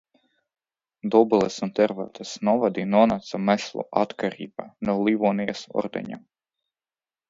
Dobeles un Tērvetes novadi nonāca meslu atkarībā no Livonijas ordeņa.